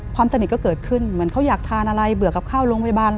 สนิทก็เกิดขึ้นเหมือนเขาอยากทานอะไรเบื่อกับข้าวโรงพยาบาล